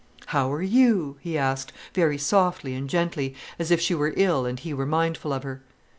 "How are you?" he asked, very softly and gently, as if she were ill and he were mindful of her.